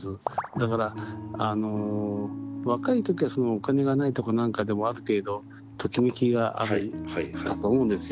だから若い時はお金がないとか何かでもある程度ときめきがあるかと思うんですよ